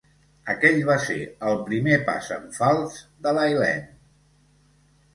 Aquell va ser el primer pas en fals de la Helene.